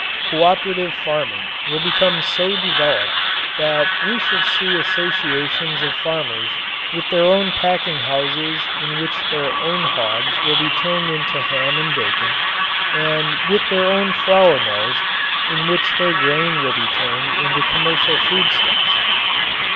Cooperative farming will become so developed that we shall see associations of farmers with their own packing houses in which their own hogs will be turned into ham and bacon, and with their own flour mills in which their grain will be turned into commercial foodstuffs.